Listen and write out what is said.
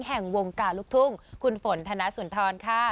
แห่งวงกาลุกทุ่งคุณฝนธนาศูนย์ทอลครับ